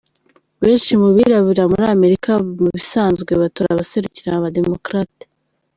Benshi mu birabura muri Amerika mu bisanzwe batora abaserukira aba Democrates.